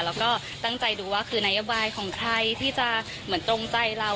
แล้วก็ตั้งใจดูว่าคือนโยบายของใครที่จะเหมือนตรงใจเรา